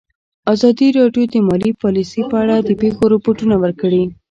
ازادي راډیو د مالي پالیسي په اړه د پېښو رپوټونه ورکړي.